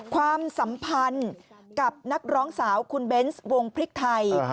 ความสัมพันธ์กับนักร้องสาวคุณเบนส์วงพริกไทย